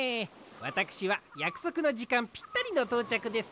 わたくしはやくそくのじかんぴったりのとうちゃくです。